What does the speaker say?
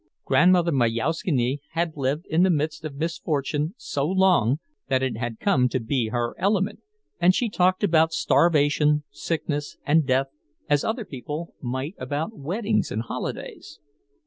Grandmother Majauszkiene had lived in the midst of misfortune so long that it had come to be her element, and she talked about starvation, sickness, and death as other people might about weddings and holidays.